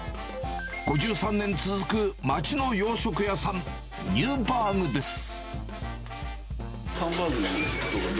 ５３年続く町の洋食屋さん、ニューバーグです。